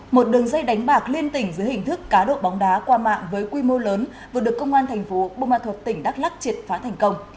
một đường dây đánh bạc liên tỉnh dưới hình thức cá độ bóng đá qua mạng với quy mô lớn vừa được công an thành phố bù ma thuật tỉnh đắk lắc triệt phá thành công